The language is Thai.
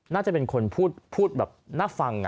น่าจะเป็นคนพูดแบบน่าฟัง